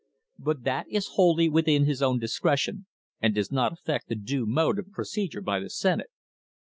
But that is wholly within his own discretion and does not affect the due mode of procedure by the Senate.